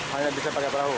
hanya bisa pakai perahu